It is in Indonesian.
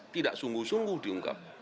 tidak sungguh sungguh diungkap